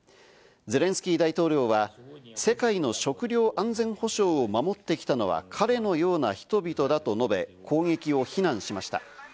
ゼレンスキー大統領は世界の食料安全保障を守ってきたのは彼のような人々だと述べ、攻撃を非難しました。